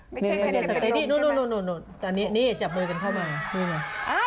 ไม่ใช่ใช่เป็นลุงใช่ไหมนี่จับมือกันเข้ามานี่ไง